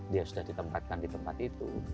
dia sudah ditempatkan di tempat itu